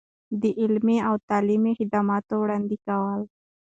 د علمي او تعلیمي خدماتو وړاندې کول.